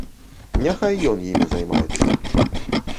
Няхай ён імі займаецца.